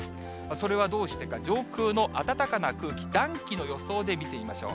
それはどうしてか、上空の暖かな空気、暖気の予想で見てみましょう。